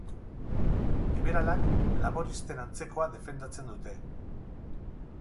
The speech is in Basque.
Liberalak laboristen antzekoa defendatzen dute.